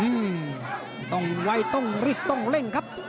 ต้องยินไว้ต้องรีบต้องเล่งครับ